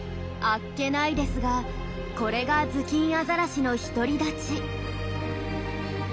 あっけないですがこれがズキンアザラシの独り立ち。